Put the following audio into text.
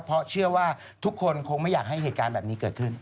เพราะเชื่อว่าทุกคนคงไม่อยากให้เหตุการณ์แบบนี้เกิดขึ้น